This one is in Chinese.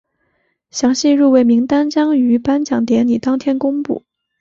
详细入围名单将于颁奖典礼当天公布。